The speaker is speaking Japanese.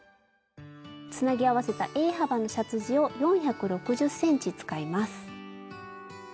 つなぎ合わせたＡ幅のシャツ地を４６０ｃｍ使います。